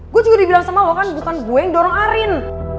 gue juga dibilang sama lo kan bukan gue yang dorong arin